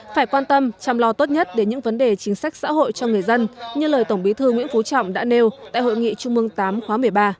phải quan tâm chăm lo tốt nhất đến những vấn đề chính sách xã hội cho người dân như lời tổng bí thư nguyễn phú trọng đã nêu tại hội nghị trung mương tám khóa một mươi ba